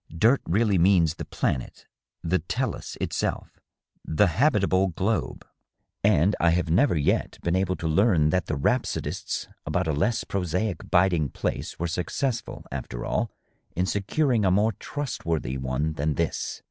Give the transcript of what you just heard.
Dirt really means the planet, the tdhis itself, the habita ble globe. And I have never yet been able to learn that the rhapsodists about a less prosaic biding place were successful, after all, in securing a more trustworthy one than this."